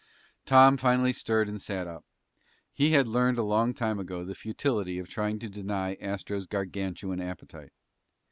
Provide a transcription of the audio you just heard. Tom finally stirred and sat up. He had learned a long time ago the futility of trying to deny Astro's Gargantuan appetite.